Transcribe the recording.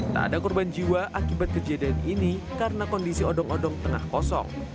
tak ada korban jiwa akibat kejadian ini karena kondisi odong odong tengah kosong